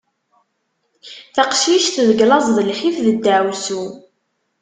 Taqcict deg laẓ d lḥif d ddaɛwessu.